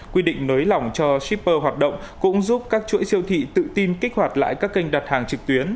quy định nới lỏng cho shipper hoạt động cũng giúp các chuỗi siêu thị tự tin kích hoạt lại các kênh đặt hàng trực tuyến